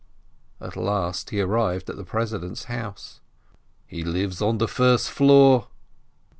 At last he arrived at the president's house. "He lives on the first floor."